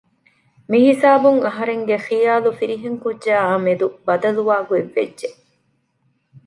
މިހިސާބުން އަހަރެންގެ ޚިޔާލު ފިރިހެންކުއްޖާއާ މެދު ބަދަލުވާ ގޮތްވެއްޖެ